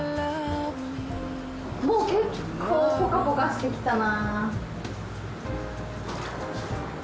もう結構ポカポカしてきたな。